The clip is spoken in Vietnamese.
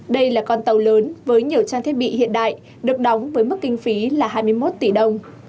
đây là con tàu lớn với nhiều trang thiết bị hiện đại được đóng với mức kinh phí là hai mươi một tỷ đồng